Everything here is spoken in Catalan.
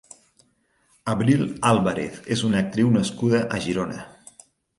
Abril Álvarez és una actriu nascuda a Girona.